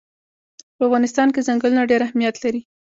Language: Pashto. په افغانستان کې ځنګلونه ډېر اهمیت لري.